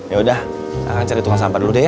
yaudah akan cari tukang sampah dulu deh ya